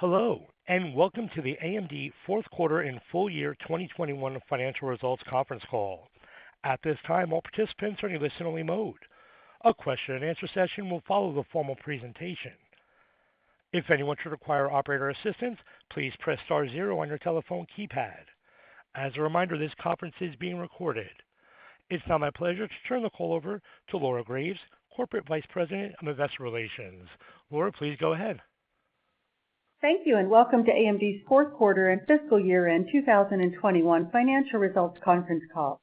Hello, and welcome to the AMD fourth quarter and full year 2021 financial results conference call. At this time, all participants are in listen-only mode. A question and answer session will follow the formal presentation. If anyone should require operator assistance, please Press Star zero on your telephone keypad. As a reminder, this conference is being recorded. It's now my pleasure to turn the call over to Laura Graves, Corporate Vice President of Investor Relations. Laura, please go ahead. Thank you, and welcome to AMD's fourth quarter and fiscal year-end 2021 financial results conference call.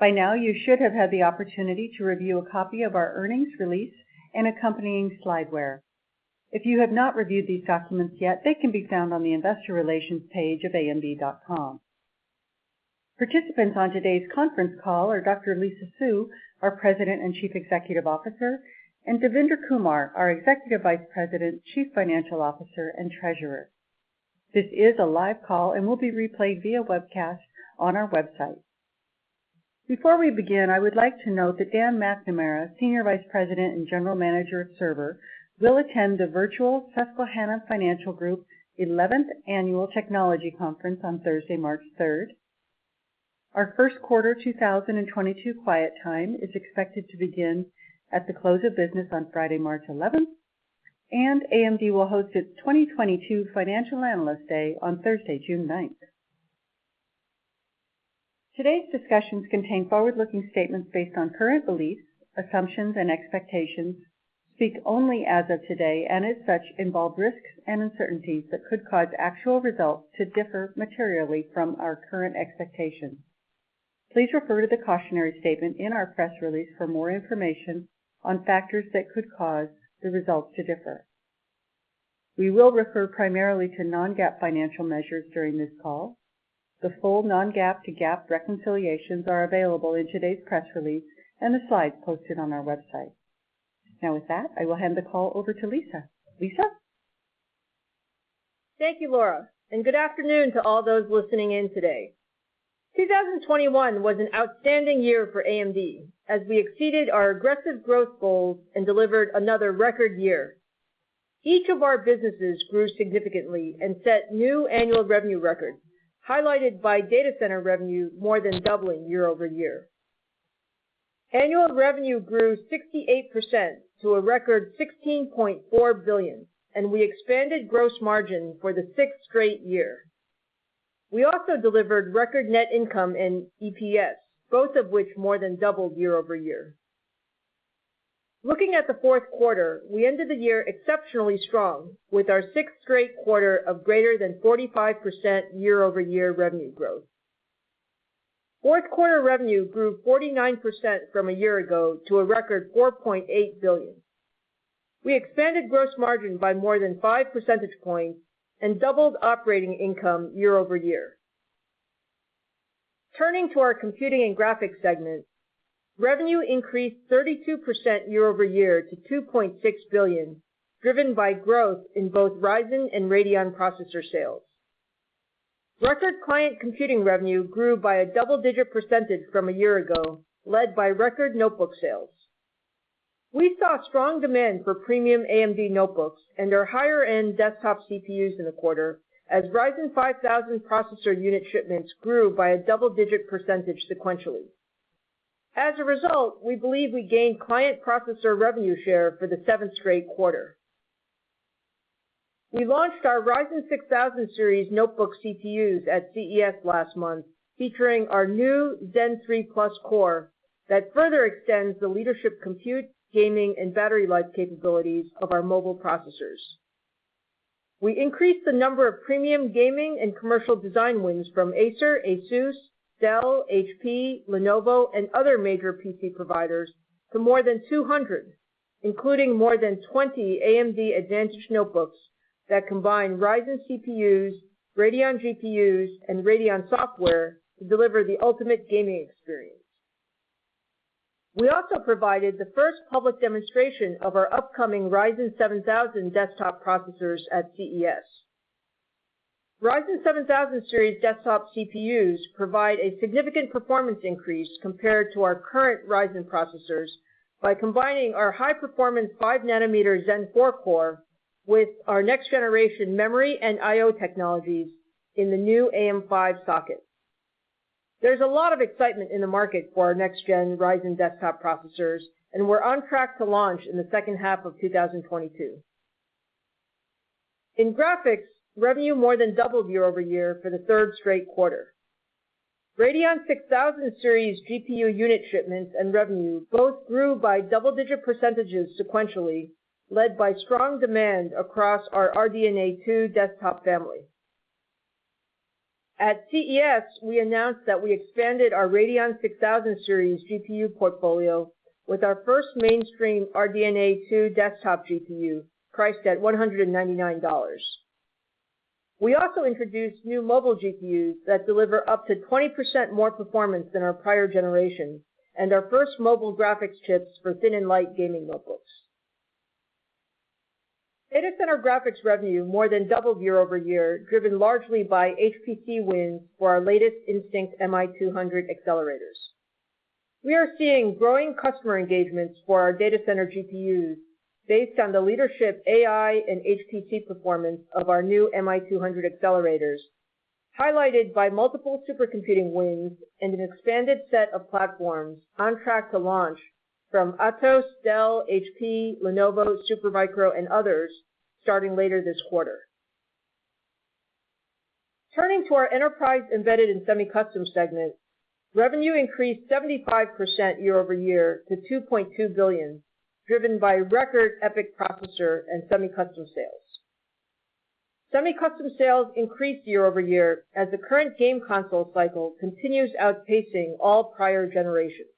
By now, you should have had the opportunity to review a copy of our earnings release and accompanying slideware. If you have not reviewed these documents yet, they can be found on the investor relations page of amd.com. Participants on today's conference call are Dr. Lisa Su, our President and Chief Executive Officer, and Devinder Kumar, our Executive Vice President, Chief Financial Officer, and Treasurer. This is a live call and will be replayed via webcast on our website. Before we begin, I would like to note that Dan McNamara, Senior Vice President and General Manager of Server, will attend the virtual Susquehanna Financial Group 11th Annual Technology Conference on Thursday, 3rd March. Our Q1 2022 quiet period is expected to begin at the close of business on Friday, 11st March, and AMD will host its 2022 Financial Analyst Day on Thursday, 9th June. Today's discussions contain forward-looking statements based on current beliefs, assumptions, and expectations, speak only as of today, and as such, involve risks and uncertainties that could cause actual results to differ materially from our current expectations. Please refer to the cautionary statement in our press release for more information on factors that could cause the results to differ. We will refer primarily to non-GAAP financial measures during this call. The full non-GAAP to GAAP reconciliations are available in today's press release and the slides posted on our website. Now with that, I will hand the call over to Lisa. Lisa? Thank you, Laura, and good afternoon to all those listening in today. 2021 was an outstanding year for AMD as we exceeded our aggressive growth goals and delivered another record year. Each of our businesses grew significantly and set new annual revenue records, highlighted by Data Center revenue more than doubling year-over-year. Annual revenue grew 68% to a record $16.4 billion, and we expanded gross margin for the sixth straight year. We also delivered record net income in EPS, both of which more than doubled year-over-year. Looking at the fourth quarter, we ended the year exceptionally strong with our sixth straight quarter of greater than 45% year-over-year revenue growth. Fourth quarter revenue grew 49% from a year ago to a record $4.8 billion. We expanded gross margin by more than five percentage points and doubled operating income year-over-year. Turning to our Computing and Graphics segment, revenue increased 32% year-over-year to $2.6 billion, driven by growth in both Ryzen and Radeon processor sales. Record client computing revenue grew by a double-digit percentage from a year ago, led by record notebook sales. We saw strong demand for premium AMD notebooks and our higher-end desktop CPUs in the quarter as Ryzen 5000 processor unit shipments grew by a double-digit percentage sequentially. As a result, we believe we gained client processor revenue share for the seventh straight quarter. We launched our Ryzen 6000 series notebook CPUs at CES last month, featuring our new Zen 3+ core that further extends the leadership compute, gaming, and battery life capabilities of our mobile processors. We increased the number of premium gaming and commercial design wins from Acer, Asus, Dell, HP, Lenovo, and other major PC providers to more than 200, including more than 20 AMD Advantage notebooks that combine Ryzen CPUs, Radeon GPUs, and Radeon software to deliver the ultimate gaming experience. We also provided the first public demonstration of our upcoming Ryzen 7000 desktop processors at CES. Ryzen 7000 series desktop CPUs provide a significant performance increase compared to our current Ryzen processors by combining our high-performance 5 nm Zen 4 core with our next generation memory and IO technologies in the new AM5 socket. There's a lot of excitement in the market for our next gen Ryzen desktop processors, and we're on track to launch in the second half of 2022. In graphics, revenue more than doubled year-over-year for the third straight quarter. Radeon 6000 series GPU unit shipments and revenue both grew by double-digit percentages sequentially, led by strong demand across our RDNA 2 desktop family. At CES, we announced that we expanded our Radeon 6000 series GPU portfolio with our first mainstream RDNA 2 desktop GPU, priced at $199. We also introduced new mobile GPUs that deliver up to 20% more performance than our prior generation and our first mobile graphics chips for thin and light gaming notebooks. Data center graphics revenue more than doubled year-over-year, driven largely by HPC wins for our latest Instinct MI200 accelerators. We are seeing growing customer engagements for our data center GPUs based on the leadership AI and HPC performance of our new MI200 accelerators, highlighted by multiple supercomputing wins and an extended set of platforms on track to launch from Atos, Dell, HP, Lenovo, Supermicro, and others starting later this quarter. Turning to our enterprise embedded and semi-custom segment, revenue increased 75% year-over-year to $2.2 billion, driven by record EPYC processor and semi-custom sales. Semi-custom sales increased year-over-year as the current game console cycle continues outpacing all prior generations.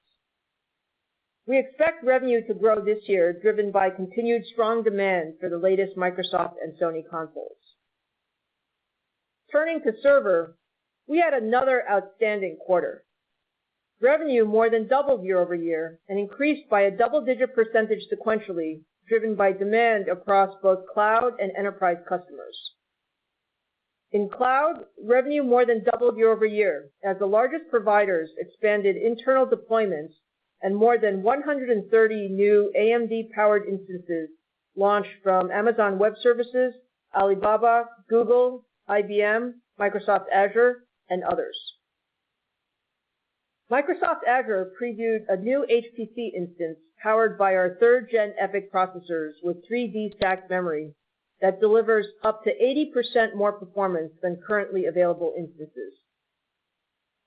We expect revenue to grow this year, driven by continued strong demand for the latest Microsoft and Sony consoles. Turning to server, we had another outstanding quarter. Revenue more than doubled year-over-year and increased by a double-digit percentage sequentially, driven by demand across both cloud and enterprise customers. In cloud, revenue more than doubled year-over-year as the largest providers expanded internal deployments and more than 130 new AMD powered instances launched from Amazon Web Services, Alibaba, Google, IBM, Microsoft Azure, and others. Microsoft Azure previewed a new HPC instance powered by our third gen EPYC processors with 3D stacked memory that delivers up to 80% more performance than currently available instances.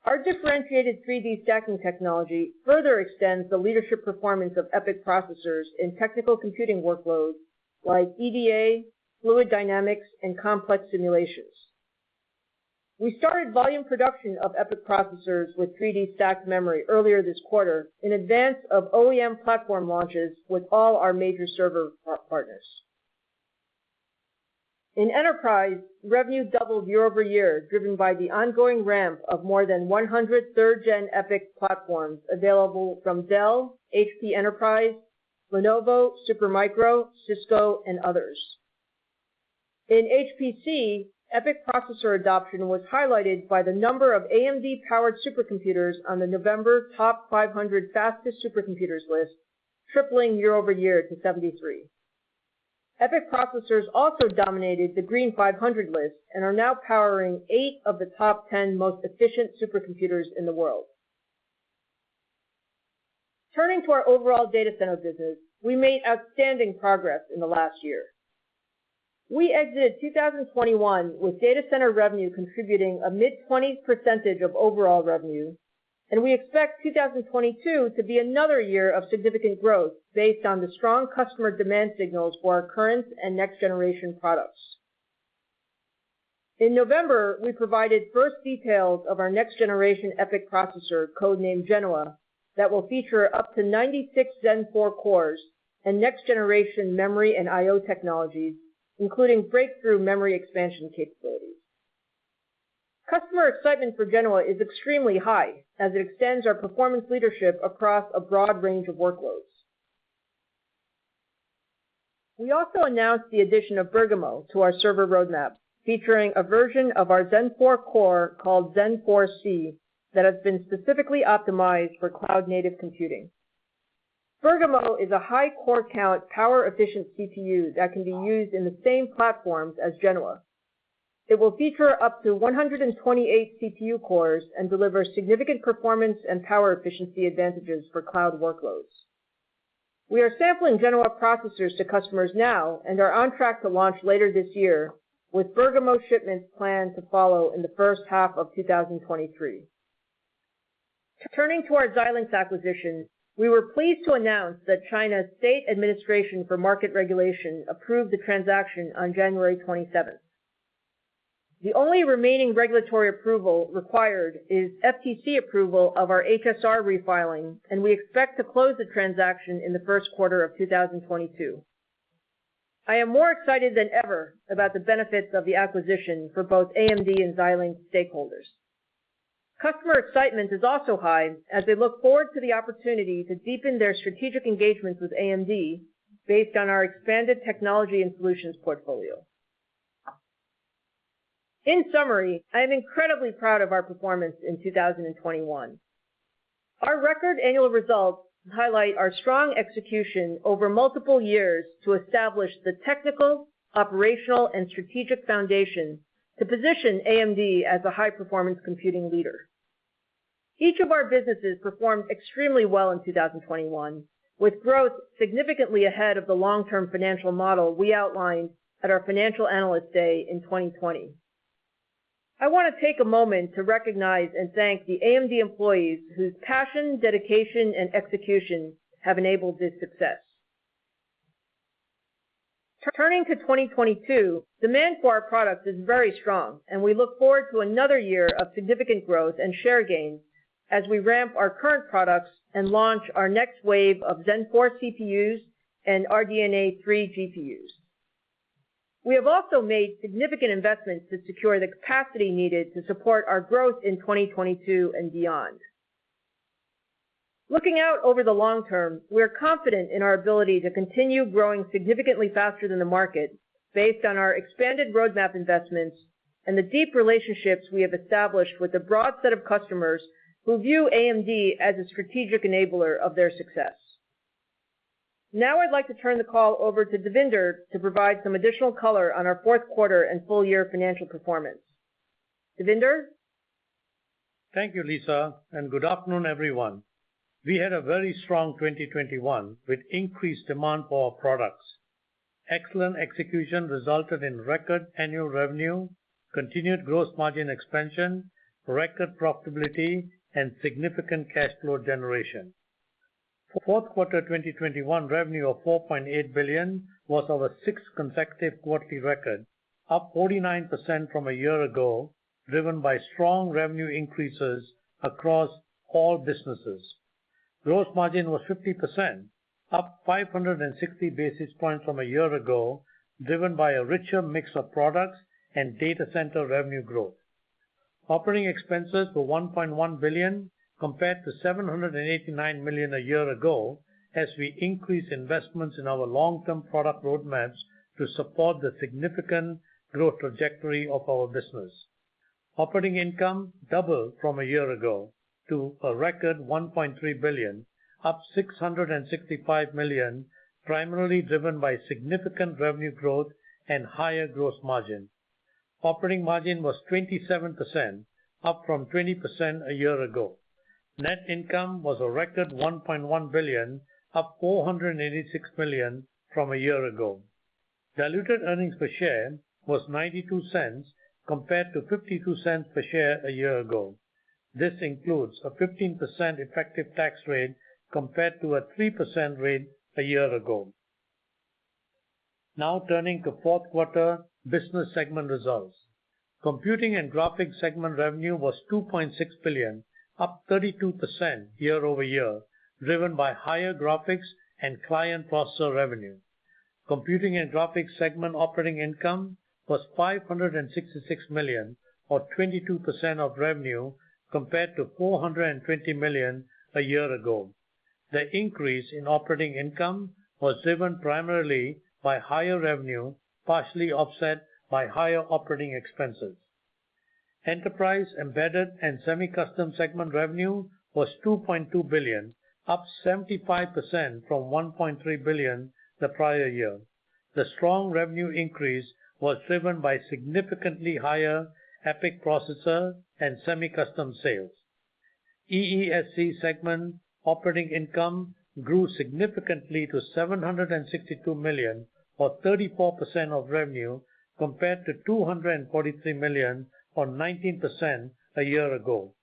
Our differentiated 3D stacking technology further extends the leadership performance of EPYC processors in technical computing workloads like EDA, fluid dynamics, and complex simulations. We started volume production of EPYC processors with 3D stacked memory earlier this quarter in advance of OEM platform launches with all our major server partners. In enterprise, revenue doubled year-over-year, driven by the ongoing ramp of more than 100 third gen EPYC platforms available from Dell, Hewlett Packard Enterprise, Lenovo, Supermicro, Cisco, and others. In HPC, EPYC processor adoption was highlighted by the number of AMD-powered supercomputers on the November TOP500 fastest supercomputers list, tripling year-over-year to 73. EPYC processors also dominated the Green500 list and are now powering eight of the top 10 most efficient supercomputers in the world. Turning to our overall data center business, we made outstanding progress in the last year. We exited 2021 with data center revenue contributing a mid-20% of overall revenue, and we expect 2022 to be another year of significant growth based on the strong customer demand signals for our current and next generation products. In November, we provided first details of our next generation EPYC processor, code-named Genoa, that will feature up to 96 Zen 4 cores and next generation memory and I/O technologies, including breakthrough memory expansion capabilities. Customer excitement for Genoa is extremely high as it extends our performance leadership across a broad range of workloads. We also announced the addition of Bergamo to our server roadmap, featuring a version of our Zen 4 core called Zen 4c that has been specifically optimized for cloud-native computing. Bergamo is a high core count, power efficient CPU that can be used in the same platforms as Genoa. It will feature up to 128 CPU cores and deliver significant performance and power efficiency advantages for cloud workloads. We are sampling Genoa processors to customers now and are on track to launch later this year, with Bergamo shipments planned to follow in the first half of 2023. Turning to our Xilinx acquisition, we were pleased to announce that China's State Administration for Market Regulation approved the transaction on 27th January. The only remaining regulatory approval required is FTC approval of our HSR refiling, and we expect to close the transaction in the first quarter of 2022. I am more excited than ever about the benefits of the acquisition for both AMD and Xilinx stakeholders. Customer excitement is also high as they look forward to the opportunity to deepen their strategic engagements with AMD based on our expanded technology and solutions portfolio. In summary, I am incredibly proud of our performance in 2021. Our record annual results highlight our strong execution over multiple years to establish the technical, operational, and strategic foundation to position AMD as a high-performance computing leader. Each of our businesses performed extremely well in 2021, with growth significantly ahead of the long-term financial model we outlined at our Financial Analyst Day in 2020. I want to take a moment to recognize and thank the AMD employees whose passion, dedication, and execution have enabled this success. Turning to 2022, demand for our products is very strong, and we look forward to another year of significant growth and share gains as we ramp our current products and launch our next wave of Zen 4 CPUs and RDNA 3 GPUs. We have also made significant investments to secure the capacity needed to support our growth in 2022 and beyond. Looking out over the long term, we are confident in our ability to continue growing significantly faster than the market based on our expanded roadmap investments. The deep relationships we have established with a broad set of customers who view AMD as a strategic enabler of their success. Now I'd like to turn the call over to Devinder to provide some additional color on our fourth quarter and full year financial performance. Devinder? Thank you, Lisa, and good afternoon, everyone. We had a very strong 2021, with increased demand for our products. Excellent execution resulted in record annual revenue, continued gross margin expansion, record profitability, and significant cash flow generation. Fourth quarter 2021 revenue of $4.8 billion was our sixth consecutive quarterly record, up 49% from a year ago, driven by strong revenue increases across all businesses. Gross margin was 50%, up 560 basis points from a year ago, driven by a richer mix of products and data center revenue growth. Operating expenses were $1.1 billion compared to $789 million a year ago, as we increased investments in our long-term product roadmaps to support the significant growth trajectory of our business. Operating income doubled from a year ago to a record $1.3 billion, up $665 million, primarily driven by significant revenue growth and higher gross margin. Operating margin was 27%, up from 20% a year ago. Net income was a record $1.1 billion, up $486 million from a year ago. Diluted earnings per share was $0.92 compared to $0.52 per share a year ago. This includes a 15% effective tax rate compared to a 3% rate a year ago. Now turning to fourth quarter business segment results. Computing and Graphics segment revenue was $2.6 billion, up 32% year-over-year, driven by higher graphics and client processor revenue. Computing and Graphics segment operating income was $566 million, or 22% of revenue, compared to $420 million a year ago. The increase in operating income was driven primarily by higher revenue, partially offset by higher operating expenses. Enterprise, Embedded, and Semi-Custom segment revenue was $2.2 billion, up 75% from $1.3 billion the prior year. The strong revenue increase was driven by significantly higher EPYC processor and semi-custom sales. EESC segment operating income grew significantly to $762 million, or 34% of revenue, compared to $243 million, or 19% a year ago.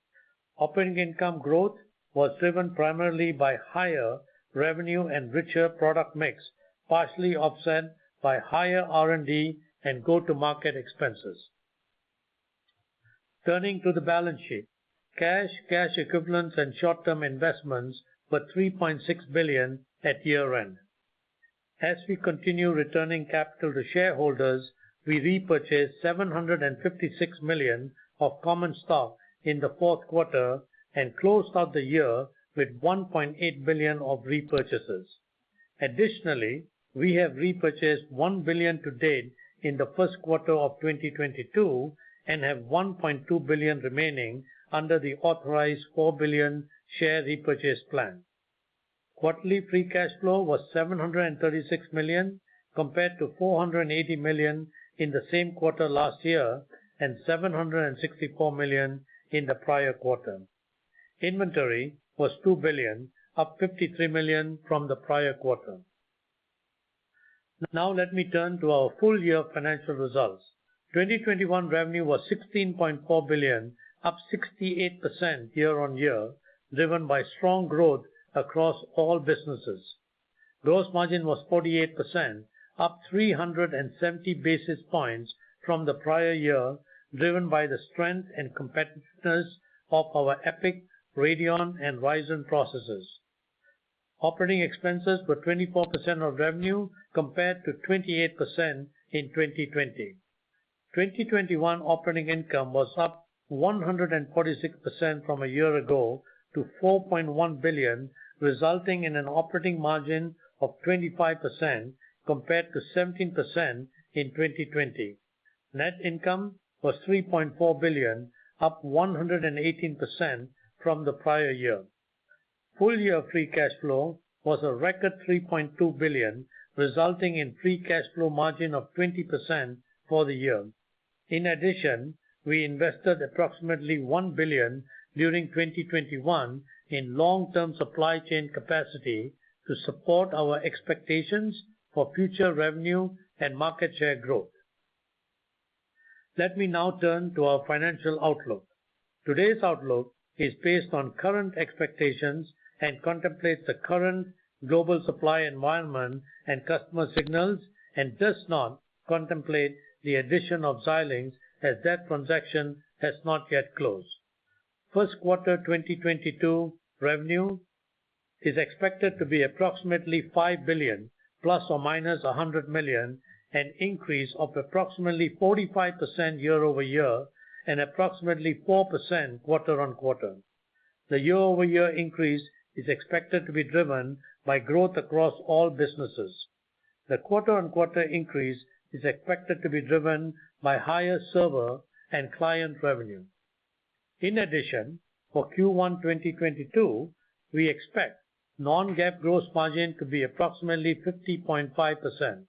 Operating income growth was driven primarily by higher revenue and richer product mix, partially offset by higher R&D and go-to-market expenses. Turning to the balance sheet. Cash, cash equivalents, and short-term investments were $3.6 billion at year-end. As we continue returning capital to shareholders, we repurchased $756 million of common stock in the fourth quarter and closed out the year with $1.8 billion of repurchases. Additionally, we have repurchased $1 billion to date in the first quarter of 2022 and have $1.2 billion remaining under the authorized $4 billion share repurchase plan. Quarterly free cash flow was $736 million, compared to $480 million in the same quarter last year and $764 million in the prior quarter. Inventory was $2 billion, up $53 million from the prior quarter. Now let me turn to our full year financial results. 2021 revenue was $16.4 billion, up 68% year-on-year, driven by strong growth across all businesses. Gross margin was 48%, up 370 basis points from the prior year, driven by the strength and competitiveness of our EPYC, Radeon, and Ryzen processors. Operating expenses were 24% of revenue, compared to 28% in 2020. 2021 operating income was up 146% from a year ago to $4.1 billion, resulting in an operating margin of 25%, compared to 17% in 2020. Net income was $3.4 billion, up 118% from the prior year. Full year free cash flow was a record $3.2 billion, resulting in free cash flow margin of 20% for the year. In addition, we invested approximately $1 billion during 2021 in long-term supply chain capacity to support our expectations for future revenue and market share growth. Let me now turn to our financial outlook. Today's outlook is based on current expectations and contemplates the current global supply environment and customer signals and does not contemplate the addition of Xilinx, as that transaction has not yet closed. Q1 2022 revenue is expected to be approximately $5 billion ± $100 million, an increase of approximately 45% year-over-year and approximately 4% quarter-on-quarter. The year-over-year increase is expected to be driven by growth across all businesses. The quarter-on-quarter increase is expected to be driven by higher server and client revenue. In addition, for Q1 2022, we expect non-GAAP gross margin to be approximately 50.5%.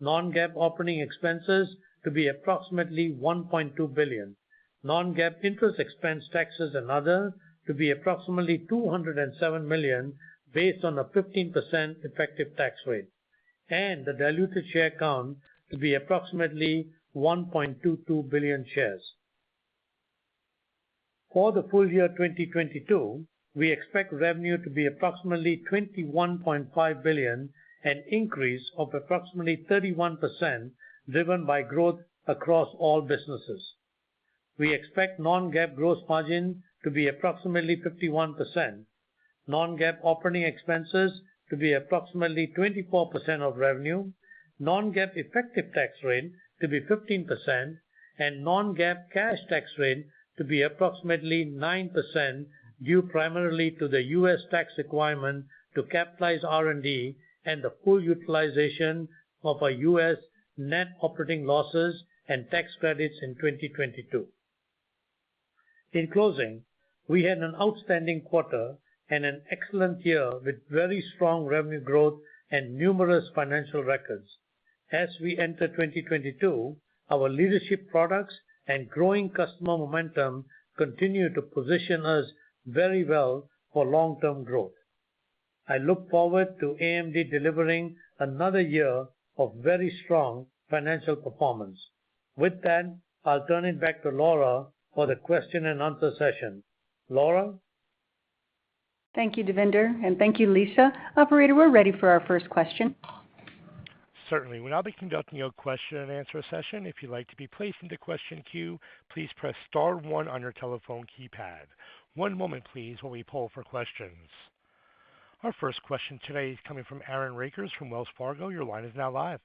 Non-GAAP operating expenses to be approximately $1.2 billion. Non-GAAP interest expense, taxes, and other to be approximately $207 million based on a 15% effective tax rate. The diluted share count to be approximately 1.22 billion shares. For the full year 2022, we expect revenue to be approximately $21.5 billion, an increase of approximately 31%, driven by growth across all businesses. We expect non-GAAP gross margin to be approximately 51%. Non-GAAP operating expenses to be approximately 24% of revenue. Non-GAAP effective tax rate to be 15%, and non-GAAP cash tax rate to be approximately 9%, due primarily to the U.S. tax requirement to capitalize R&D and the full utilization of our U.S. net operating losses and tax credits in 2022. In closing, we had an outstanding quarter and an excellent year with very strong revenue growth and numerous financial records. As we enter 2022, our leadership products and growing customer momentum continue to position us very well for long-term growth. I look forward to AMD delivering another year of very strong financial performance. With that, I'll turn it back to Laura for the question and answer session. Laura? Thank you, Devinder, and thank you, Lisa. Operator, we're ready for our first question. Certainly. We'll now be conducting your question-and-answer session. If you'd like to be placed into question queue, please press star one on your telephone keypad. One moment, please, while we poll for questions. Our first question today is coming from Aaron Rakers from Wells Fargo. Your line is now live.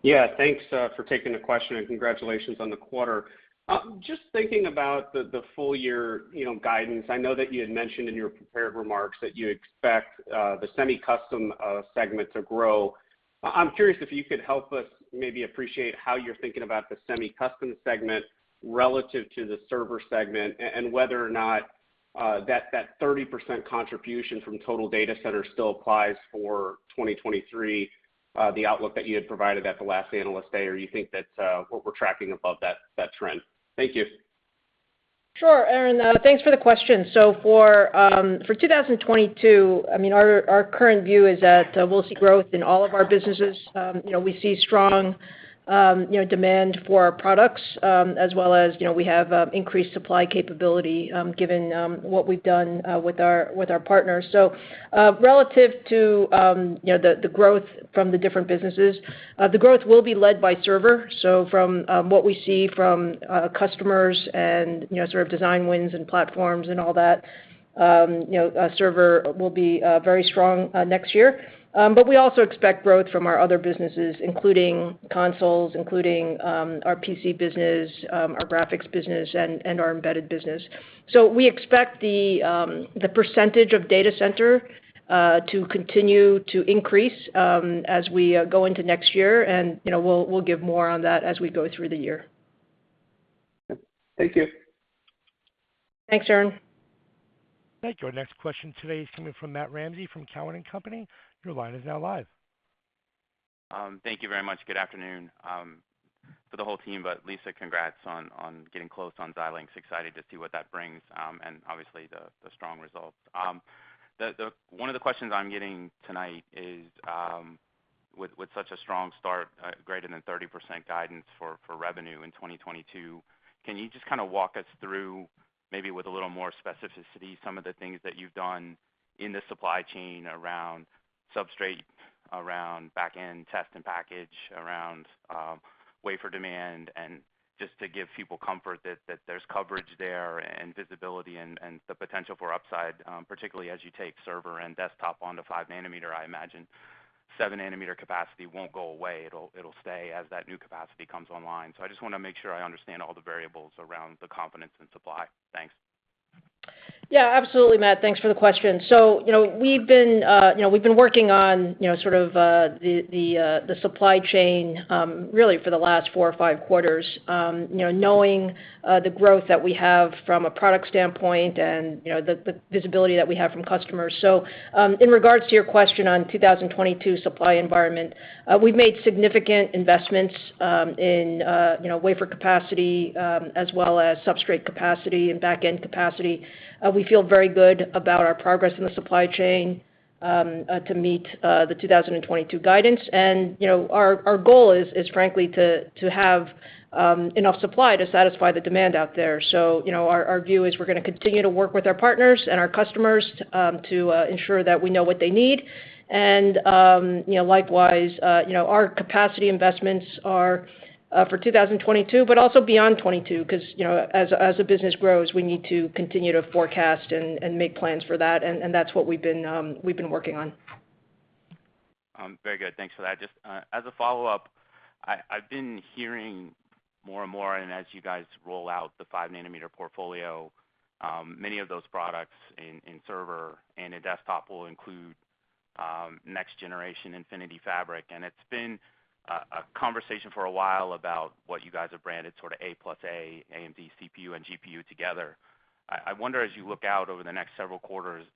Yeah. Thanks for taking the question, and congratulations on the quarter. Just thinking about the full year, you know, guidance. I know that you had mentioned in your prepared remarks that you expect the semi-custom segment to grow. I'm curious if you could help us maybe appreciate how you're thinking about the semi-custom segment relative to the server segment and whether or not that 30% contribution from total data center still applies for 2023, the outlook that you had provided at the last Analyst Day, or you think that what we're tracking above that trend. Thank you. Sure, Aaron, thanks for the question. For 2022, I mean, our current view is that we'll see growth in all of our businesses. You know, we see strong demand for our products, as well as, you know, we have increased supply capability, given what we've done with our partners. Relative to the growth from the different businesses, the growth will be led by server. From what we see from customers and you know sort of design wins and platforms and all that, you know, server will be very strong next year. We also expect growth from our other businesses, including consoles, our PC business, our graphics business and our embedded business. We expect the percentage of data center to continue to increase as we go into next year, and you know, we'll give more on that as we go through the year. Thank you. Thanks, Aaron. Thank you. Our next question today is coming from Matt Ramsay from Cowen and Company. Your line is now live. Thank you very much. Good afternoon for the whole team, but Lisa, congrats on getting close on Xilinx. Excited to see what that brings, and obviously the strong results. One of the questions I'm getting tonight is, with such a strong start, greater than 30% guidance for revenue in 2022, can you just kinda walk us through, maybe with a little more specificity, some of the things that you've done in the supply chain around substrate, around back-end test and package, around wafer demand, and just to give people comfort that there's coverage there and visibility and the potential for upside, particularly as you take server and desktop onto 5 nm. I imagine 7 nm capacity won't go away. It'll stay as that new capacity comes online. I just wanna make sure I understand all the variables around the confidence in supply. Thanks. Yeah. Absolutely, Matt. Thanks for the question. You know, we've been working on, you know, sort of, the supply chain, really for the last four or five quarters, you know, knowing the growth that we have from a product standpoint and, you know, the visibility that we have from customers. In regards to your question on 2022 supply environment, we've made significant investments in, you know, wafer capacity, as well as substrate capacity and back-end capacity. We feel very good about our progress in the supply chain to meet the 2022 guidance. You know, our goal is frankly to have enough supply to satisfy the demand out there. You know, our view is we're gonna continue to work with our partners and our customers to ensure that we know what they need. You know, likewise, you know, our capacity investments are for 2022, but also beyond 2022. 'Cause, you know, as the business grows, we need to continue to forecast and make plans for that, and that's what we've been working on. Very good. Thanks for that. Just as a follow-up. I've been hearing more and more, and as you guys roll out the 5-nm portfolio, many of those products in server and in desktop will include next generation Infinity Fabric. It's been a conversation for a while about what you guys have branded sort of A+A AMD CPU and GPU together. I wonder, as you look out over the next several quarters,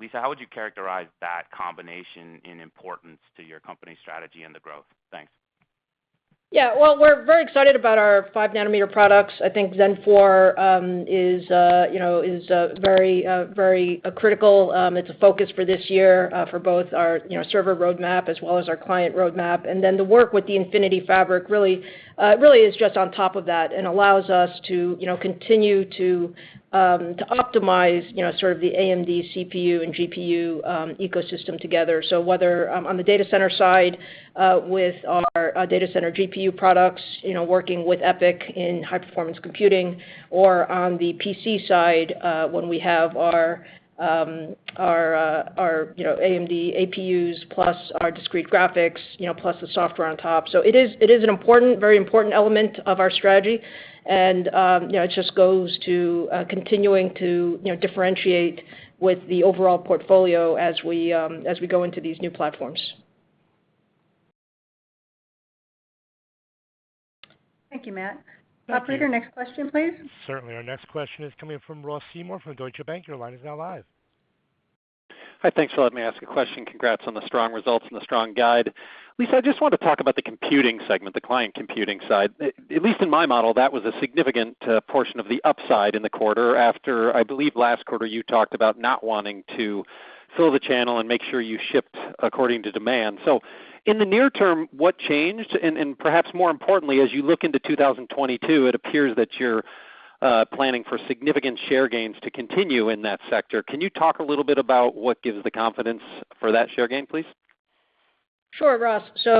Lisa, how would you characterize that combination in importance to your company strategy and the growth? Thanks. Yeah. Well, we're very excited about our 5nm products. I think Zen 4, you know, is very critical. It's a focus for this year, for both our, you know, server roadmap as well as our client roadmap. The work with the Infinity Fabric really is just on top of that and allows us to, you know, continue to optimize, you know, sort of the AMD CPU and GPU ecosystem together. Whether on the data center side, with our data center GPU products, you know, working with EPYC in high-performance computing or on the PC side, when we have our AMD APUs plus our discrete graphics, you know, plus the software on top. It is an important, very important element of our strategy. It just goes to continuing to, you know, differentiate with the overall portfolio as we go into these new platforms. Thank you, Matt. Thank you. Operator, next question, please. Certainly. Our next question is coming from Ross Seymore from Deutsche Bank. Your line is now live. Hi. Thanks for letting me ask a question. Congrats on the strong results and the strong guide. Lisa, I just want to talk about the computing segment, the client computing side. At least in my model, that was a significant portion of the upside in the quarter after, I believe last quarter you talked about not wanting to fill the channel and make sure you shipped according to demand. In the near term, what changed? And perhaps more importantly, as you look into 2022, it appears that you're planning for significant share gains to continue in that sector. Can you talk a little bit about what gives the confidence for that share gain, please? Sure, Ross. You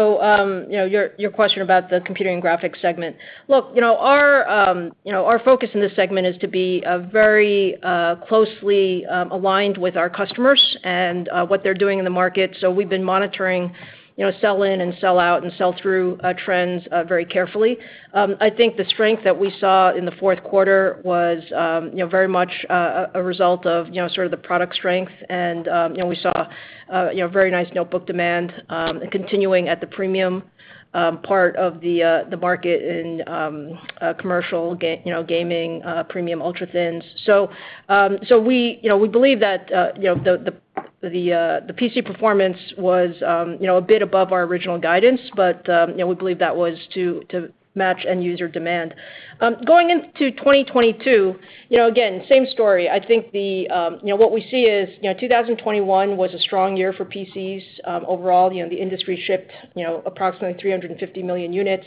know, your question about the computing and graphics segment. Look, you know, our focus in this segment is to be very closely aligned with our customers and what they're doing in the market. We've been monitoring, you know, sell in and sell out and sell through trends very carefully. I think the strength that we saw in the fourth quarter was very much a result of, you know, sort of the product strength. You know, we saw very nice notebook demand continuing at the premium part of the market in commercial, gaming, premium ultra-thins. We, you know, we believe that, you know, the PC performance was, you know, a bit above our original guidance, but, you know, we believe that was to match end user demand. Going into 2022, you know, again, same story. I think, you know, what we see is, you know, 2021 was a strong year for PCs. Overall, you know, the industry shipped, you know, approximately 350 million units.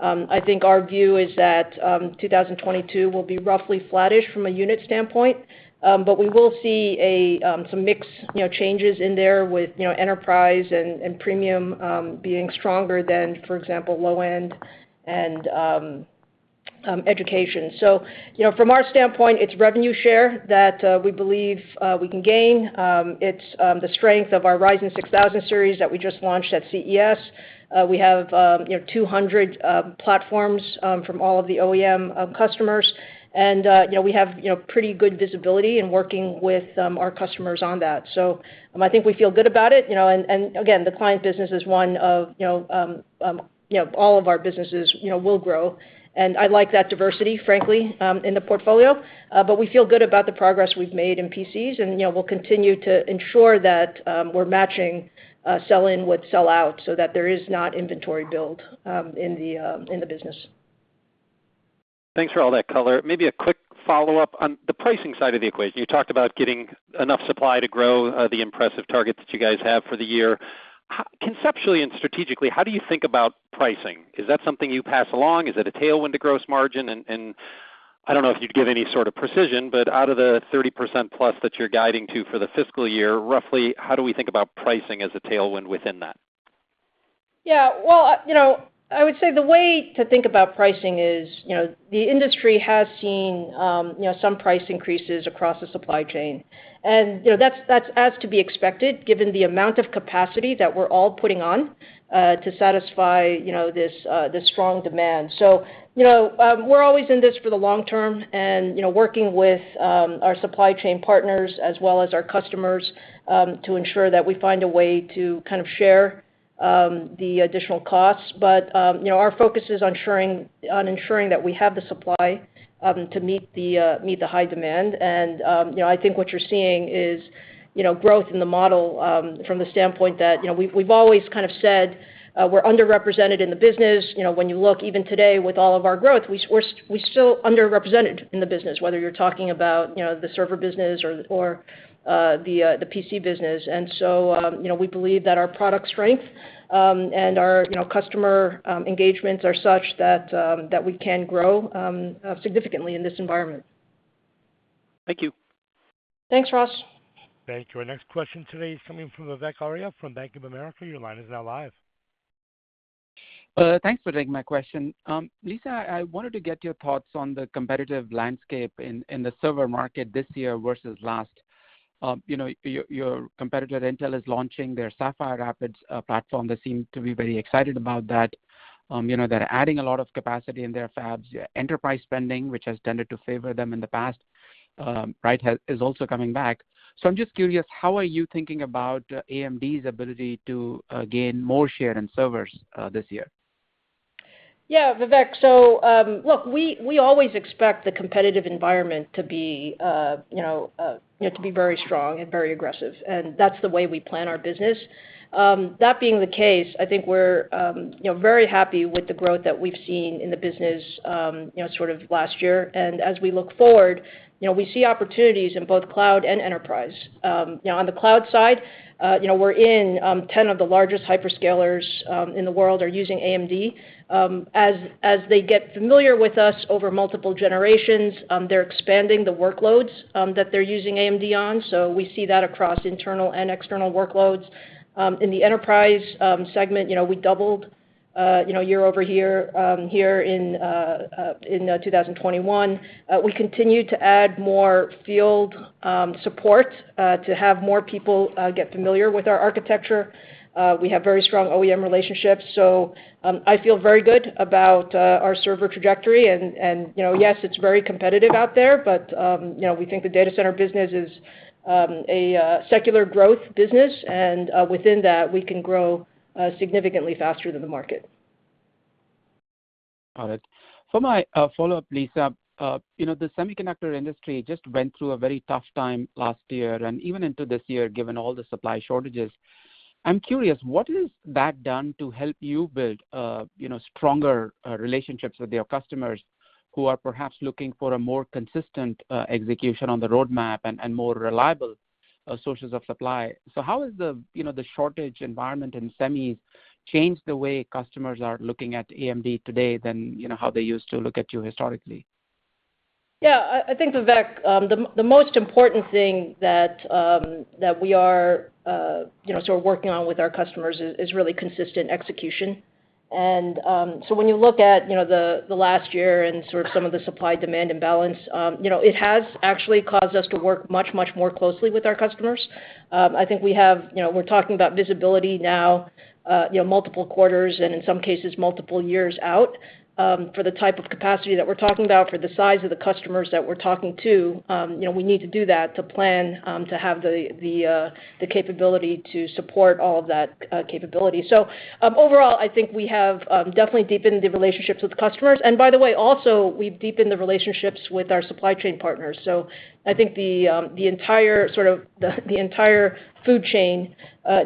I think our view is that, 2022 will be roughly flattish from a unit standpoint. But we will see some mix, you know, changes in there with, you know, enterprise and premium being stronger than, for example, low-end and education. You know, from our standpoint, it's revenue share that we believe we can gain. It's the strength of our Ryzen 6000 series that we just launched at CES. We have you know 200 platforms from all of the OEM customers. You know, we have you know pretty good visibility in working with our customers on that. I think we feel good about it, you know. Again, the client business is one of you know all of our businesses you know will grow. I like that diversity, frankly, in the portfolio. We feel good about the progress we've made in PCs and, you know, we'll continue to ensure that we're matching sell in with sell out so that there is not inventory build in the business. Thanks for all that color. Maybe a quick follow-up on the pricing side of the equation. You talked about getting enough supply to grow the impressive targets that you guys have for the year. Conceptually and strategically, how do you think about pricing? Is that something you pass along? Is it a tailwind to gross margin? I don't know if you'd give any sort of precision, but out of the 30%+ that you're guiding to for the fiscal year, roughly, how do we think about pricing as a tailwind within that? Yeah. Well, you know, I would say the way to think about pricing is, you know, the industry has seen, you know, some price increases across the supply chain. You know, that's as to be expected given the amount of capacity that we're all putting on to satisfy, you know, this strong demand. You know, we're always in this for the long term and, you know, working with our supply chain partners as well as our customers to ensure that we find a way to kind of share the additional costs. You know, our focus is ensuring that we have the supply to meet the high demand. I think what you're seeing is, you know, growth in the model from the standpoint that, you know, we've always kind of said we're underrepresented in the business. You know, when you look even today with all of our growth, we're still underrepresented in the business, whether you're talking about, you know, the server business or the PC business. We believe that our product strength and our, you know, customer engagements are such that we can grow significantly in this environment. Thank you. Thanks, Ross. Thank you. Our next question today is coming from Vivek Arya from Bank of America. Your line is now live. Thanks for taking my question. Lisa, I wanted to get your thoughts on the competitive landscape in the server market this year versus last. You know, your competitor Intel is launching their Sapphire Rapids platform. They seem to be very excited about that. You know, they're adding a lot of capacity in their fabs. Enterprise spending, which has tended to favor them in the past, right, is also coming back. I'm just curious, how are you thinking about AMD's ability to gain more share in servers this year? Yeah, Vivek. Look, we always expect the competitive environment to be you know very strong and very aggressive, and that's the way we plan our business. That being the case, I think we're you know very happy with the growth that we've seen in the business you know sort of last year. As we look forward, you know, we see opportunities in both cloud and enterprise. You know, on the cloud side, you know, we're in 10 of the largest hyperscalers in the world are using AMD. As they get familiar with us over multiple generations, they're expanding the workloads that they're using AMD on, so we see that across internal and external workloads. In the enterprise segment, you know, we doubled year over year here in 2021. We continue to add more field support to have more people get familiar with our architecture. We have very strong OEM relationships. I feel very good about our server trajectory and, you know, yes, it's very competitive out there, but, you know, we think the data center business is a secular growth business and within that, we can grow significantly faster than the market. Got it. For my follow-up, Lisa, you know, the semiconductor industry just went through a very tough time last year and even into this year, given all the supply shortages. I'm curious, what has that done to help you build, you know, stronger relationships with your customers who are perhaps looking for a more consistent execution on the roadmap and more reliable sources of supply? How has the, you know, the shortage environment in semis changed the way customers are looking at AMD today than, you know, how they used to look at you historically? Yeah, I think, Vivek, the most important thing that we are, you know, sort of working on with our customers is really consistent execution. When you look at, you know, the last year and sort of some of the supply-demand imbalance, you know, it has actually caused us to work much more closely with our customers. I think we're talking about visibility now, you know, multiple quarters, and in some cases, multiple years out. For the type of capacity that we're talking about, for the size of the customers that we're talking to, you know, we need to do that to plan, to have the capability to support all of that capability. Overall, I think we have definitely deepened the relationships with customers. By the way, also, we've deepened the relationships with our supply chain partners. I think the entire supply chain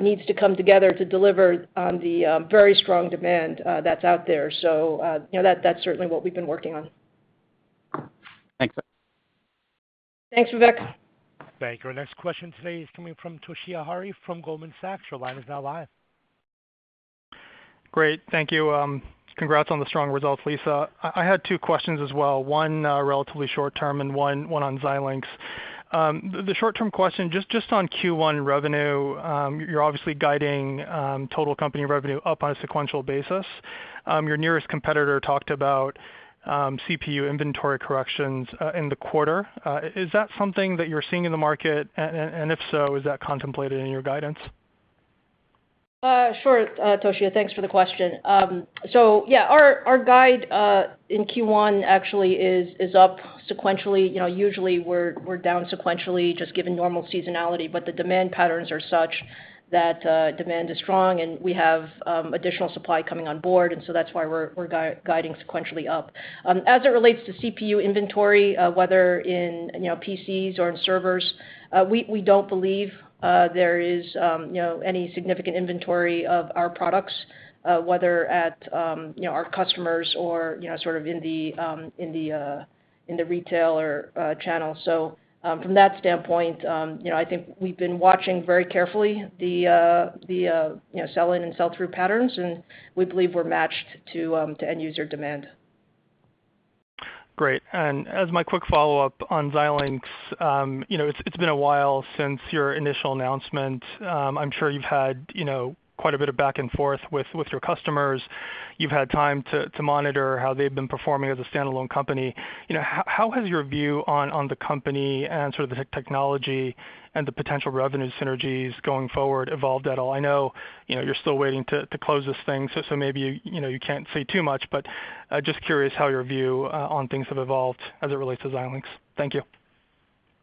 needs to come together to deliver on the very strong demand that's out there. You know, that's certainly what we've been working on. Thanks. Thanks, Vivek. Thank you. Our next question today is coming from Toshiya Hari from Goldman Sachs. Your line is now live. Great. Thank you. Congrats on the strong results, Lisa. I had two questions as well, one relatively short-term and one on Xilinx. The short-term question, just on Q1 revenue, you're obviously guiding total company revenue up on a sequential basis. Your nearest competitor talked about CPU inventory corrections in the quarter. Is that something that you're seeing in the market? And if so, is that contemplated in your guidance? Sure, Toshiya. Thanks for the question. Our guide in Q1 actually is up sequentially. You know, usually we're down sequentially just given normal seasonality, but the demand patterns are such that demand is strong and we have additional supply coming on board, and so that's why we're guiding sequentially up. As it relates to CPU inventory, whether in PCs or in servers, we don't believe there is any significant inventory of our products, whether at our customers or sort of in the retail or channel. From that standpoint, you know, I think we've been watching very carefully the, you know, sell-in and sell-through patterns, and we believe we're matched to end user demand. Great. As my quick follow-up on Xilinx, you know, it's been a while since your initial announcement. I'm sure you've had, you know, quite a bit of back and forth with your customers. You've had time to monitor how they've been performing as a standalone company. You know, how has your view on the company and sort of the technology and the potential revenue synergies going forward evolved at all? I know, you know, you're still waiting to close this thing, so maybe, you know, you can't say too much, but just curious how your view on things have evolved as it relates to Xilinx. Thank you.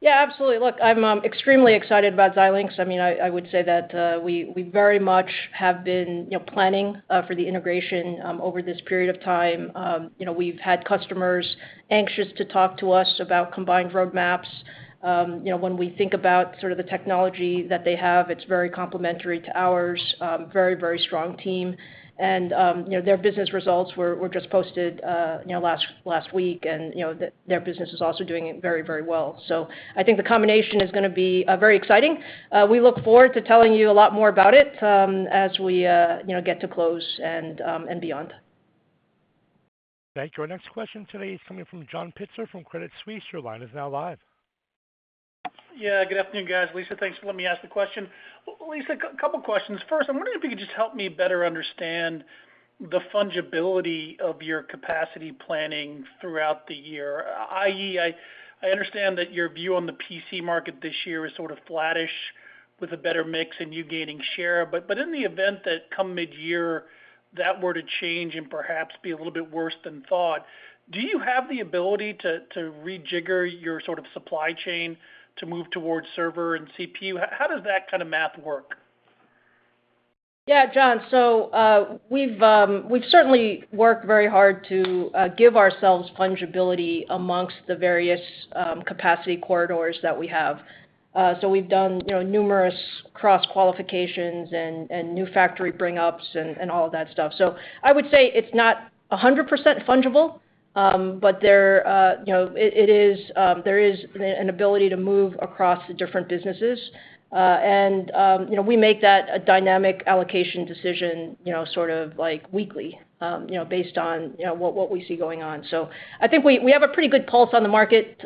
Yeah, absolutely. Look, I'm extremely excited about Xilinx. I mean, I would say that we very much have been, you know, planning for the integration over this period of time. You know, we've had customers anxious to talk to us about combined roadmaps. You know, when we think about sort of the technology that they have, it's very complementary to ours. Very, very strong team. Their business results were just posted last week, and their business is also doing very, very well. I think the combination is gonna be very exciting. We look forward to telling you a lot more about it as we get to close and beyond. Thank you. Our next question today is coming from John Pitzer from Credit Suisse. Your line is now live. Yeah, good afternoon, guys. Lisa, thanks for letting me ask the question. Lisa, couple questions. First, I'm wondering if you could just help me better understand the fungibility of your capacity planning throughout the year, i.e., I understand that your view on the PC market this year is sort of flattish with a better mix and you gaining share. In the event that come mid-year, that were to change and perhaps be a little bit worse than thought, do you have the ability to rejigger your sort of supply chain to move towards server and CPU? How does that kinda math work? Yeah, John. We've certainly worked very hard to give ourselves fungibility among the various capacity corridors that we have. We've done, you know, numerous cross-qualifications and new factory bring ups and all of that stuff. I would say it's not 100% fungible, but there, you know, it is. There is an ability to move across the different businesses. We make that a dynamic allocation decision, you know, sort of like weekly, you know, based on, you know, what we see going on. I think we have a pretty good pulse on the market.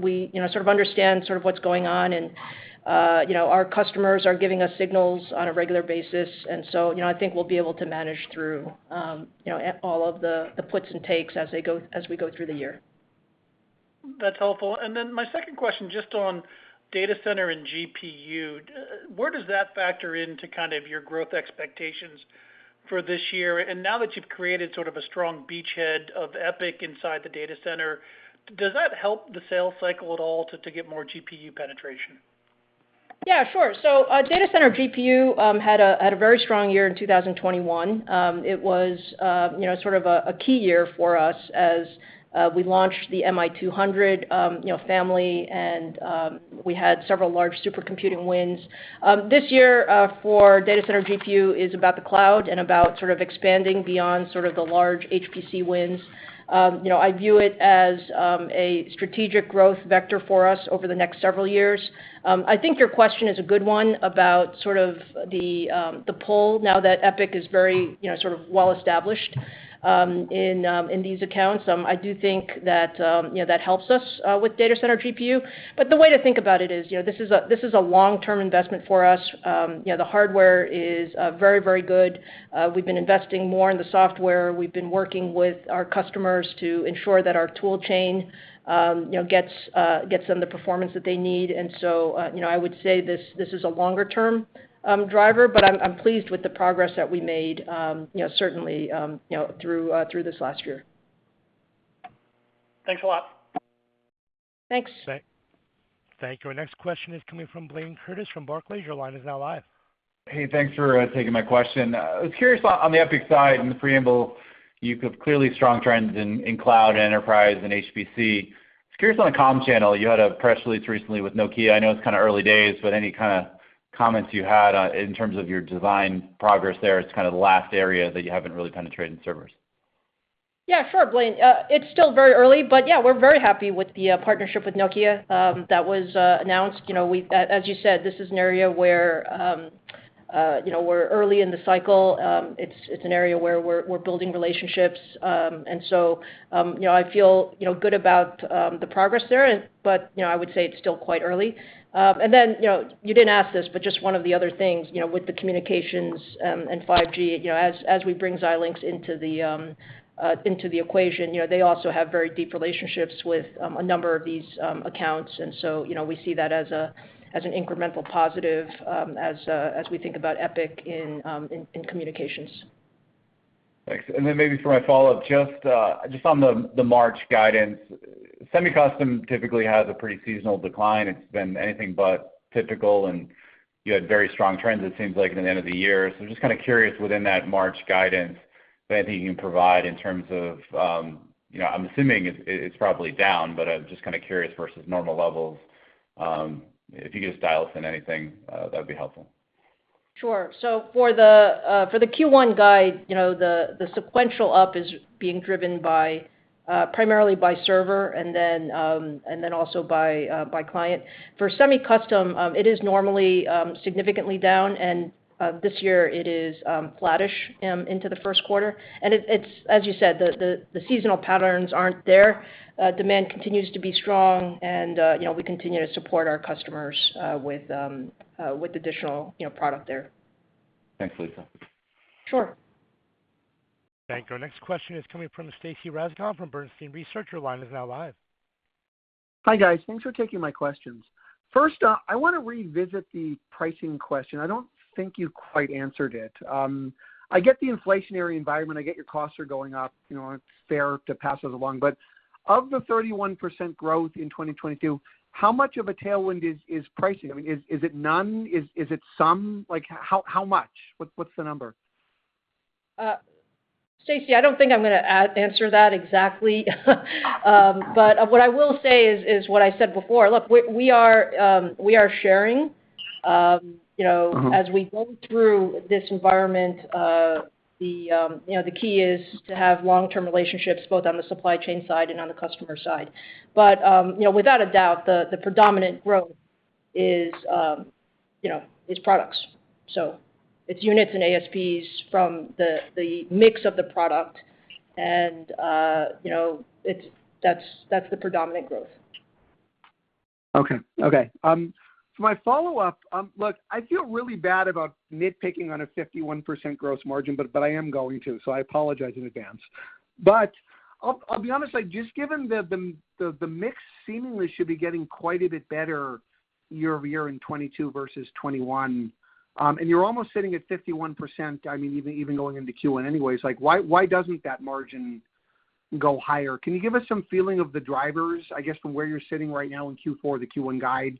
We, you know, sort of understand sort of what's going on and, you know, our customers are giving us signals on a regular basis. I think we'll be able to manage through, you know, at all of the puts and takes as we go through the year. That's helpful. My second question, just on data center and GPU. Where does that factor into kind of your growth expectations for this year? Now that you've created sort of a strong beachhead of EPYC inside the data center, does that help the sales cycle at all to get more GPU penetration? Yeah, sure. Data center GPU had a very strong year in 2021. It was, you know, sort of a key year for us as we launched the MI200 family, and we had several large supercomputing wins. This year for data center GPU is about the cloud and about sort of expanding beyond the large HPC wins. You know, I view it as a strategic growth vector for us over the next several years. I think your question is a good one about sort of the pull now that EPYC is very, you know, sort of well established in these accounts. I do think that, you know, that helps us with data center GPU. The way to think about it is, you know, this is a long-term investment for us. You know, the hardware is very, very good. We've been investing more in the software. We've been working with our customers to ensure that our tool chain, you know, gets them the performance that they need. You know, I would say this is a longer-term driver, but I'm pleased with the progress that we made, you know, certainly, you know, through this last year. Thanks a lot. Thanks. Thank you. Our next question is coming from Blayne Curtis from Barclays. Your line is now live. Hey, thanks for taking my question. I was curious on the EPYC side, in the preamble, you have clearly strong trends in cloud, enterprise, and HPC. Just curious on the comm channel, you had a press release recently with Nokia. I know it's kinda early days, but any kinda comments you had in terms of your design progress there. It's kinda the last area that you haven't really penetrated servers. Yeah, sure, Blayne. It's still very early, but yeah, we're very happy with the partnership with Nokia that was announced. You know, as you said, this is an area where you know, we're early in the cycle. It's an area where we're building relationships. You know, I feel you know, good about the progress there, but you know, I would say it's still quite early. You know, you didn't ask this, but just one of the other things you know, with the communications and 5G, you know, as we bring Xilinx into the equation, you know, they also have very deep relationships with a number of these accounts. You know, we see that as an incremental positive, as we think about EPYC in communications. Thanks. Maybe for my follow-up, just on the March guidance. Semi-custom typically has a pretty seasonal decline. It's been anything but typical, and you had very strong trends, it seems like in the end of the year. I'm just kinda curious within that March guidance, if anything you can provide in terms of, you know, I'm assuming it's probably down, but I'm just kinda curious versus normal levels. If you could just dial us in anything, that would be helpful. Sure. For the Q1 guide, you know, the sequential up is being driven primarily by server and then also by client. For semi-custom, it is normally significantly down, and this year it is flattish into the first quarter. It's as you said, the seasonal patterns aren't there. Demand continues to be strong and, you know, we continue to support our customers with additional, you know, product there. Thanks, Lisa. Sure. Thank you. Our next question is coming from Stacy Rasgon from Bernstein Research. Your line is now live. Hi, guys. Thanks for taking my questions. First, I wanna revisit the pricing question. I don't think you quite answered it. I get the inflationary environment, I get your costs are going up, you know, it's fair to pass those along. Of the 31% growth in 2022, how much of a tailwind is pricing? I mean, is it none? Is it some? Like, how much? What's the number? Stacy, I don't think I'm gonna answer that exactly. But what I will say is what I said before. Look, we are sharing, you know- Mm-hmm. As we go through this environment, you know, the key is to have long-term relationships, both on the supply chain side and on the customer side. Without a doubt, the predominant growth is products. It's units and ASPs from the mix of the product and that's the predominant growth. Okay. For my follow-up, look, I feel really bad about nitpicking on a 51% gross margin, but I am going to, so I apologize in advance. I'll be honest, like, just given the mix seemingly should be getting quite a bit better year over year in 2022 versus 2021, and you're almost sitting at 51%, I mean, even going into Q1 anyways. Like, why doesn't that margin go higher? Can you give us some feeling of the drivers, I guess, from where you're sitting right now in Q4, the Q1 guide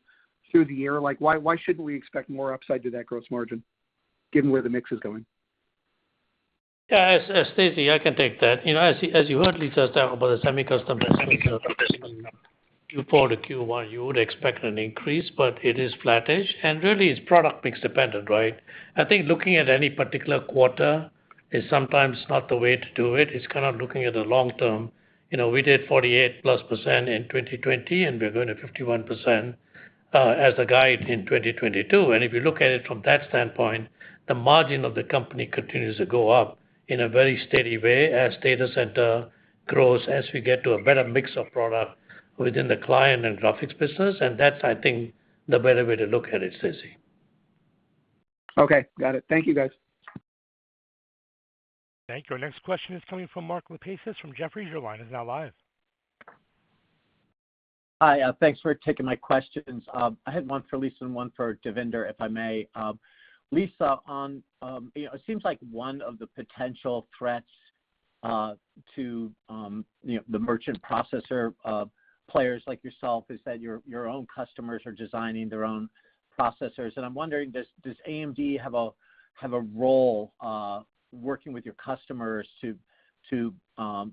through the year? Like, why shouldn't we expect more upside to that gross margin given where the mix is going? Yeah. As Stacy, I can take that. You know, as you heard Lisa talk about the semi-custom Q4-Q1, you would expect an increase, but it is flattish, and really it's product mix dependent, right? I think looking at any particular quarter is sometimes not the way to do it. It's kind of looking at the long term. You know, we did 48%+ in 2020, and we're going to 51% as a guide in 2022. If you look at it from that standpoint, the margin of the company continues to go up in a very steady way as data center grows, as we get to a better mix of product within the client and graphics business. That's, I think, the better way to look at it, Stacy. Okay. Got it. Thank you, guys. Thank you. Our next question is coming from Mark Lipacis from Jefferies. Your line is now live. Hi. Thanks for taking my questions. I had one for Lisa and one for Devinder, if I may. Lisa, you know, it seems like one of the potential threats to the merchant processor players like yourself is that your own customers are designing their own processors. I'm wondering, does AMD have a role working with your customers to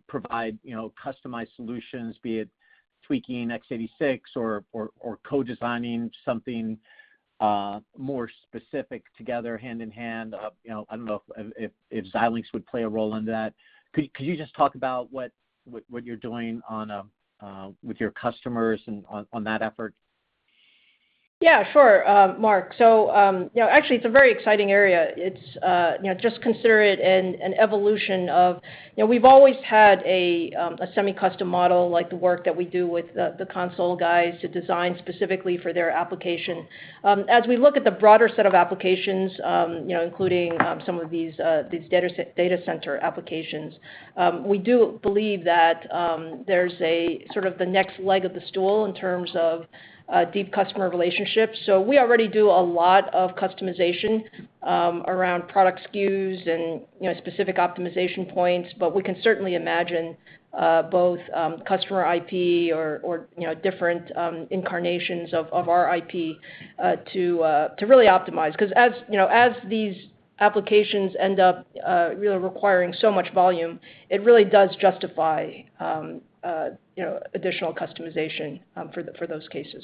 provide customized solutions, be it tweaking x86 or co-designing something more specific together hand in hand? You know, I don't know if Xilinx would play a role in that. Could you just talk about what you're doing with your customers and on that effort? Yeah, sure, Mark. So, you know, actually it's a very exciting area. It's, you know, just consider it an evolution of, you know, we've always had a semi-custom model, like the work that we do with the console guys to design specifically for their application. As we look at the broader set of applications, you know, including some of these data center applications, we do believe that there's a sort of the next leg of the stool in terms of deep customer relationships. So we already do a lot of customization around product SKUs and, you know, specific optimization points, but we can certainly imagine both customer IP or, you know, different incarnations of our IP to really optimize. 'Cause as, you know, as these applications end up really requiring so much volume, it really does justify, you know, additional customization for those cases.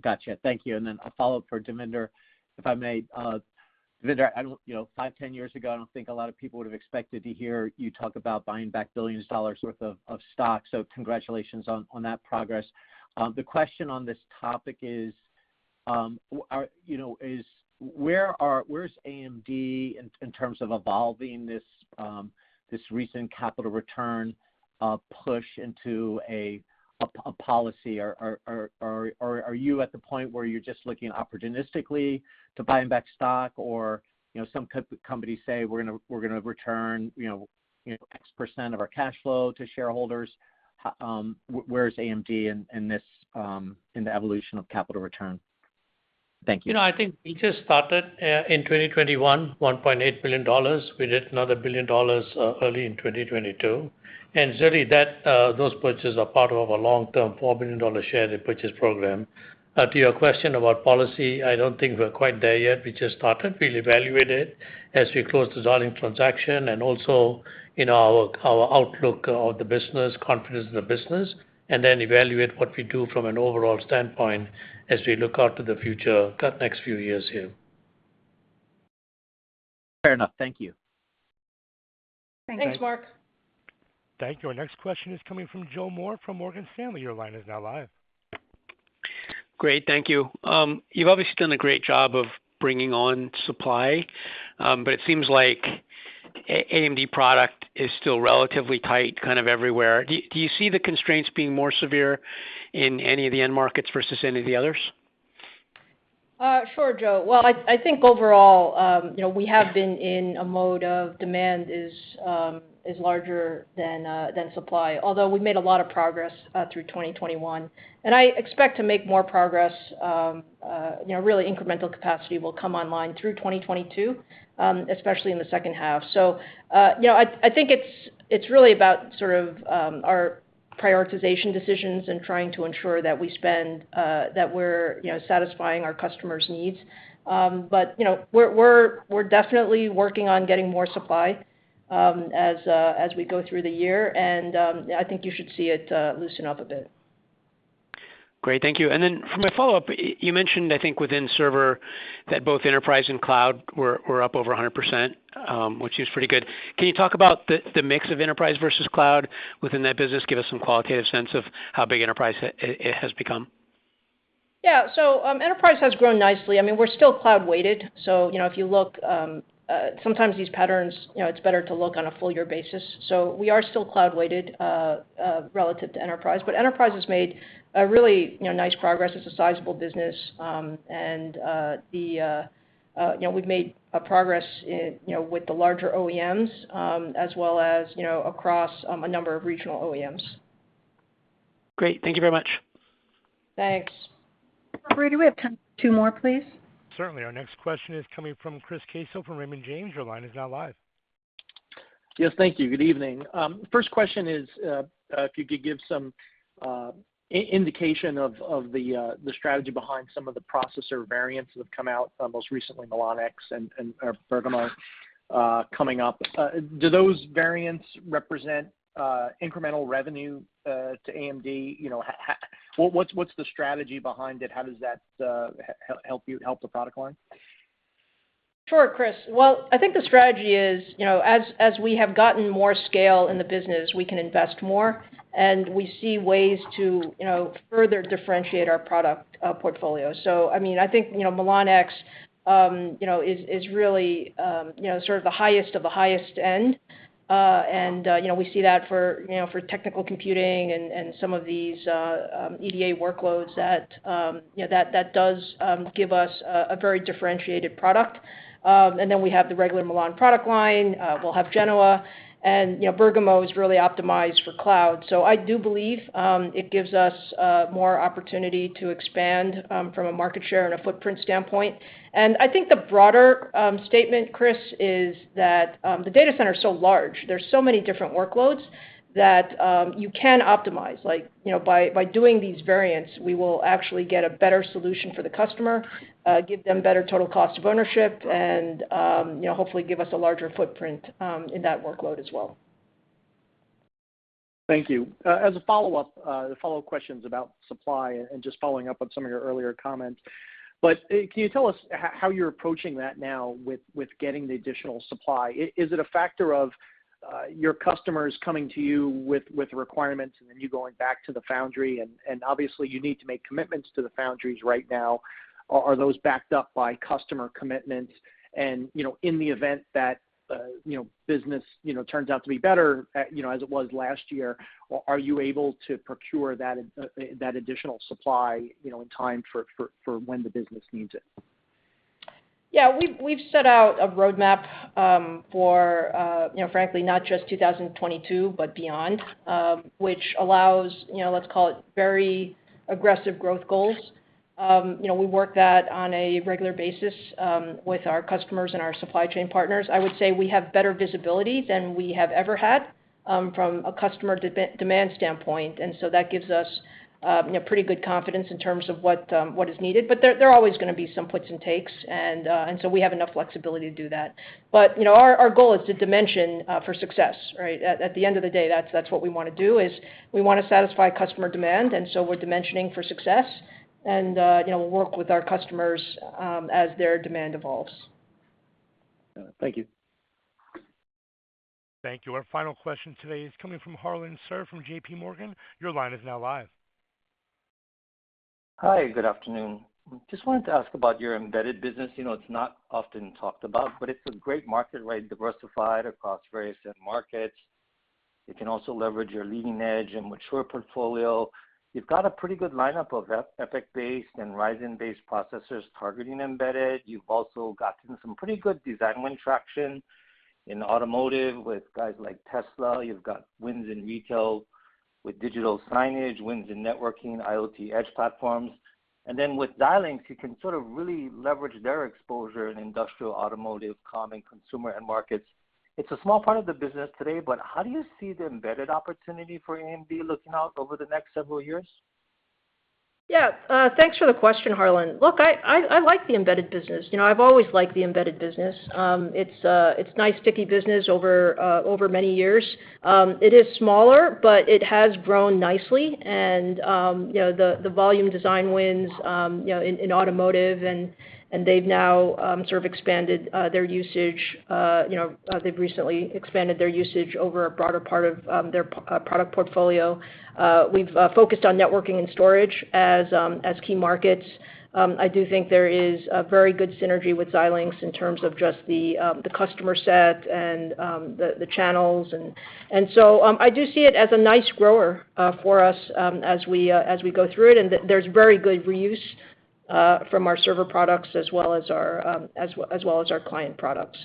Gotcha. Thank you. Then a follow-up for Devinder, if I may. Devinder, you know, five, 10 years ago, I don't think a lot of people would've expected to hear you talk about buying back $ billions worth of stock. So congratulations on that progress. The question on this topic is, you know, is where's AMD in terms of evolving this recent capital return push into a policy? Or are you at the point where you're just looking opportunistically to buying back stock? Or, you know, some companies say, "We're gonna return X% of our cash flow to shareholders." Where is AMD in this in the evolution of capital return? Thank you. You know, I think we just started in 2021, $1.8 billion. We did another $1 billion early in 2022. Really that, those purchases are part of a long-term $4 billion share repurchase program. To your question about policy, I don't think we're quite there yet. We just started. We'll evaluate it as we close the Xilinx transaction and also in our outlook of the business, confidence in the business, and then evaluate what we do from an overall standpoint as we look out to the future, the next few years here. Fair enough. Thank you. Thanks, Mark. Thank you. Our next question is coming from Joseph Moore from Morgan Stanley. Your line is now live. Great. Thank you. You've obviously done a great job of bringing on supply, but it seems like AMD product is still relatively tight kind of everywhere. Do you see the constraints being more severe in any of the end markets versus any of the others? Sure, Joe. Well, I think overall, you know, we have been in a mode of demand is larger than supply. Although we've made a lot of progress through 2021, and I expect to make more progress, you know, really incremental capacity will come online through 2022, especially in the second half. You know, I think it's really about sort of our prioritization decisions and trying to ensure that we're satisfying our customers' needs. But, you know, we're definitely working on getting more supply as we go through the year, and I think you should see it loosen up a bit. Great. Thank you. For my follow-up, you mentioned, I think, within server that both enterprise and cloud were up over 100%, which is pretty good. Can you talk about the mix of enterprise versus cloud within that business? Give us some qualitative sense of how big enterprise it has become. Enterprise has grown nicely. I mean, we're still cloud-weighted. You know, if you look, sometimes these patterns, you know, it's better to look on a full year basis. We are still cloud-weighted, relative to enterprise. Enterprise has made a really, you know, nice progress. It's a sizable business, and you know, we've made a progress in, you know, with the larger OEMs, as well as, you know, across a number of regional OEMs. Great. Thank you very much. Thanks. Operator, do we have time for two more, please? Certainly. Our next question is coming from Chris Caso from Raymond James. Your line is now live. Yes. Thank you. Good evening. First question is, if you could give some indication of the strategy behind some of the processor variants that have come out most recently, Milan-X and Bergamo coming up. Do those variants represent incremental revenue to AMD? You know, what's the strategy behind it? How does that help you help the product line? Sure, Chris. Well, I think the strategy is, you know, as we have gotten more scale in the business, we can invest more, and we see ways to, you know, further differentiate our product portfolio. I mean, I think, you know, Milan-X is really, you know, sort of the highest of the highest end. You know, we see that for, you know, for technical computing and some of these EDA workloads that, you know, that does give us a very differentiated product. Then we have the regular Milan product line. We'll have Genoa and, you know, Bergamo is really optimized for cloud. I do believe it gives us more opportunity to expand from a market share and a footprint standpoint. I think the broader statement, Chris, is that the data center is so large, there's so many different workloads that you can optimize. Like, you know, by doing these variants, we will actually get a better solution for the customer, give them better total cost of ownership and, you know, hopefully give us a larger footprint in that workload as well. Thank you. As a follow-up, follow-up questions about supply and just following up on some of your earlier comments. Can you tell us how you're approaching that now with getting the additional supply? Is it a factor of your customers coming to you with requirements and then you going back to the foundry and obviously you need to make commitments to the foundries right now? Are those backed up by customer commitments? You know, in the event that you know, business you know, turns out to be better you know, as it was last year, are you able to procure that additional supply you know, in time for when the business needs it? Yeah, we've set out a roadmap for, you know, frankly, not just 2022, but beyond, which allows, you know, let's call it very aggressive growth goals. You know, we work that on a regular basis with our customers and our supply chain partners. I would say we have better visibility than we have ever had from a customer demand standpoint. That gives us, you know, pretty good confidence in terms of what is needed. There are always gonna be some puts and takes and so we have enough flexibility to do that. You know, our goal is to dimension for success, right? At the end of the day, that's what we wanna do, is we wanna satisfy customer demand, and so we're dimensioning for success and, you know, we'll work with our customers, as their demand evolves. Thank you. Thank you. Our final question today is coming from Harlan Sur from JPMorgan. Your line is now live. Hi, good afternoon. Just wanted to ask about your embedded business. You know, it's not often talked about, but it's a great market, right, diversified across various end markets. It can also leverage your leading edge and mature portfolio. You've got a pretty good lineup of EPYC-based and Ryzen-based processors targeting embedded. You've also gotten some pretty good design win traction in automotive with guys like Tesla. You've got wins in retail with digital signage, wins in networking, IoT edge platforms. With Xilinx, you can sort of really leverage their exposure in industrial, automotive, common consumer end markets. It's a small part of the business today, but how do you see the embedded opportunity for AMD looking out over the next several years? Yeah, thanks for the question, Harlan. Look, I like the embedded business. You know, I've always liked the embedded business. It's a nice sticky business over many years. It is smaller, but it has grown nicely and you know, the volume design wins you know, in automotive and they've now sort of expanded their usage. You know, they've recently expanded their usage over a broader part of their product portfolio. We've focused on networking and storage as key markets. I do think there is a very good synergy with Xilinx in terms of just the customer set and the channels. I do see it as a nice grower for us as we go through it, and there's very good reuse from our server products as well as our client products.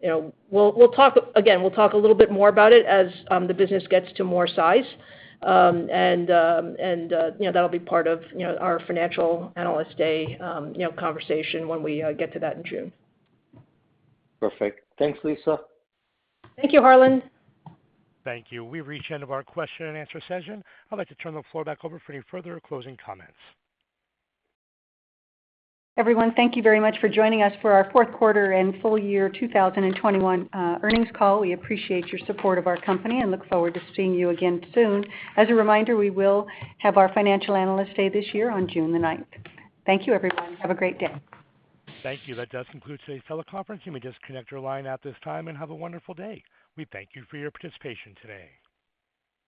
You know, we'll talk a little bit more about it as the business gets to more size. You know, that'll be part of our Financial Analyst Day conversation when we get to that in June. Perfect. Thanks, Lisa. Thank you, Harlan. Thank you. We've reached the end of our question and answer session. I'd like to turn the floor back over for any further closing comments. Everyone, thank you very much for joining us for our fourth quarter and full year 2021 earnings call. We appreciate your support of our company and look forward to seeing you again soon. As a reminder, we will have our financial analyst day this year on 9th June. Thank you, everyone. Have a great day. Thank you. That does conclude today's teleconference. You may disconnect your line at this time and have a wonderful day. We thank you for your participation today.